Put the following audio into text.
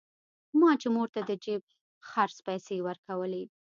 ما چې مور ته د جيب خرڅ پيسې ورکولې.